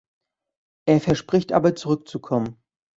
Er verspricht aber zurückzukommen.